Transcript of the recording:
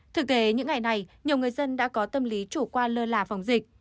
thực tế những ngày này nhiều người dân đã có tâm lý chủ quan lơ là phòng dịch